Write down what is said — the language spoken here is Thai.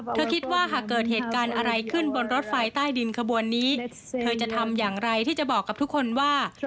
เธอคิดว่าหากเกิดเหตุการณ์อะไรขึ้นบนรถไฟใต้ดินขบวนนี้เธอจะทำอย่างไรที่จะบอกกับทุกคนว่า